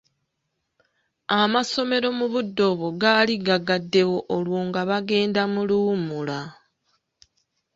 Amasomero mu budde obwo gaali gagaddewo olwo nga bagenda mu luwumula.